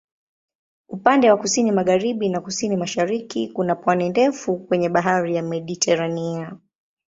Upande wa kusini-magharibi na kusini-mashariki kuna pwani ndefu kwenye Bahari ya Mediteranea.